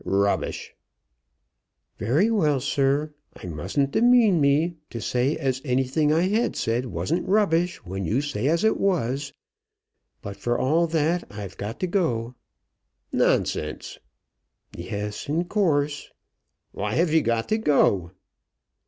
"Rubbish!" "Very well, sir. I mustn't demean me to say as anything I had said wasn't rubbish when you said as it was But for all that, I've got to go." "Nonsense." "Yes, in course." "Why have you got to go?"